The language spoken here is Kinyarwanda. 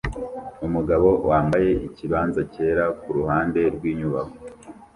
Umugabo wambaye ikibanza cyera kuruhande rwinyubako